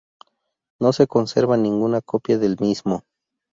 No se conserva ninguna copia del mismo.